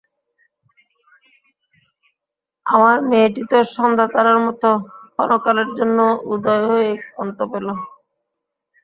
আমার মেয়েটি তো সন্ধ্যাতারার মতো ক্ষণকালের জন্যে উদয় হয়েই অস্ত গেল।